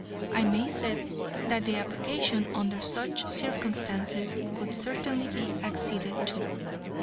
I may say that the application under such circumstances would certainly be acceded to."